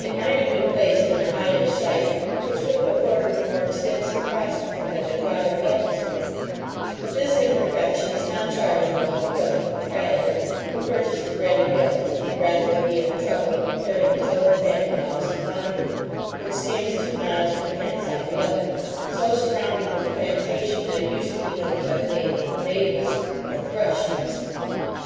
It might have been placed in a higher site, which would have afforded a more extensive prospect and a drier atmosphere; but this imperfection is not chargeable on the present proprietor, who purchased it ready built, rather than be at the trouble of repairing his own family house of Bonhill, which stands two miles from hence on the Leven, so surrounded with plantation, that it used to be known by the name of the Mavis (or thrush) Nest.